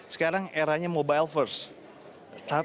sekarang eranya mobile first